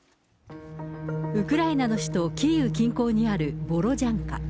ウクライナの首都キーウ近郊にあるボロジャンカ。